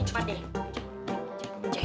pasti pak d